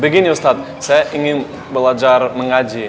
begini ustadz saya ingin belajar mengaji